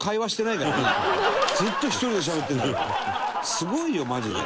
すごいよマジで。